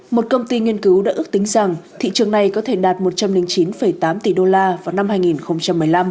một công ty nghiên cứu đã ước tính rằng thị trường này có thể đạt một trăm linh chín tám tỷ đô la vào năm hai nghìn một mươi năm